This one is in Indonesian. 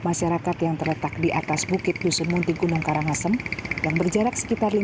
masyarakat yang terletak di atas bukit dusun munti gunung karangasem yang berjarak sekitar